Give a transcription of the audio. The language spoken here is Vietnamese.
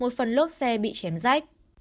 một phần lốp xe bị chém rách